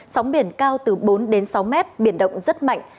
sóng biển cao từ bốn đến sáu mét biển động rất mạnh